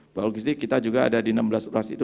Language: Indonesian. bahwa logistik kita juga ada di enam belas ruas itu